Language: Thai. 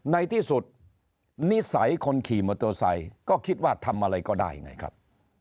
ในที่สุดนิสัยคนขี่มอเตอร์ไซค์ก็คิดว่าทำอะไรก็ได้ไงครับ